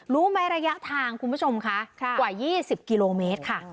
รู้ไหมระยะทางคุณผู้ชมคะกว่า๒๐กิโลเมตรค่ะ